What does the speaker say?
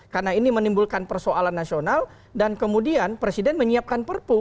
karena ini menimbulkan persoalan nasional dan kemudian presiden menyiapkan perpu